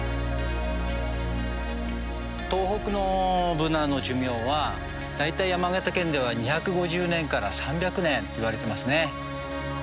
東北のブナの寿命は大体山形県では２５０年から３００年といわれてますね。